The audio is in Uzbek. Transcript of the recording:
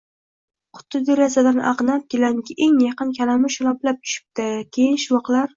Quti derazadan ag‘nab, gilamga eng oldin kalamush shaloplab tushibdi, keyin – shuvoqlar